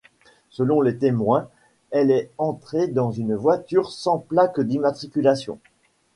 Selon des témoins, elle est entrée dans une voiture sans plaque d'immatriculation.